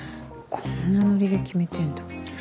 こんなノリで決めてんだ。